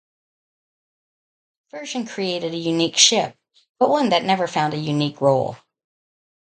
The conversion created a unique ship, but one that never found a unique role.